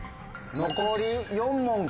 残り４問か。